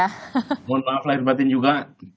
mohon maaf lahir batin juga